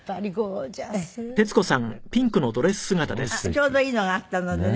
ちょうどいいのがあったのでね。